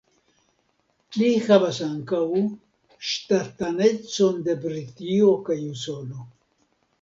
Li havas ankaŭ ŝtatanecon de Britio kaj Usono.